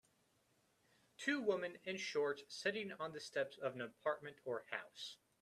Two women in shorts sitting on the steps of an apartment or house.